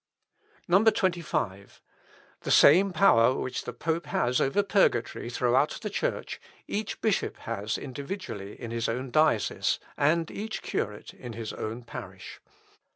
25. "The same power which the pope has over purgatory throughout the Church, each bishop has individually in his own diocese, and each curate in his own parish.